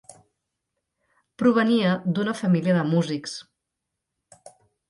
Provenia d'una família de músics.